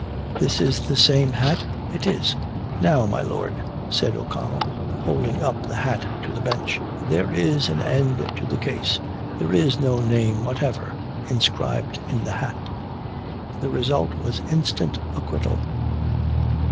"This is the same hat?" "It is." "Now, my Lord," said O'Connell, holding up the hat to the Bench, "there is an end to the case there is no name whatever inscribed in the hat." The result was instant acquittal.